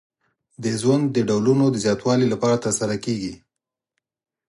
د ژوند د ډولونو د زیاتوالي لپاره ترسره کیږي.